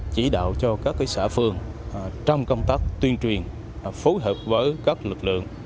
chỉ đạo cho các xã phường trong công tác tuyên truyền phối hợp với các lực lượng